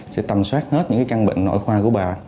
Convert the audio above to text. sẽ tầm soát hết những căn bệnh nội khoa của bà